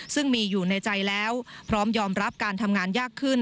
ซึ่งมีอยู่ในใจแล้วพร้อมยอมรับการทำงานยากขึ้น